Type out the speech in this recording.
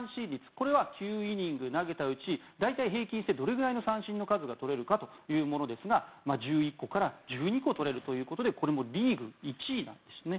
これは９イニング投げたうち大体平均してどれぐらい三振の数取れるかというものですが１１個から１２個取れるということでこれもリーグ１位なんですね。